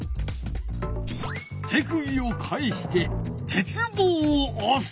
手首を返して鉄棒をおす。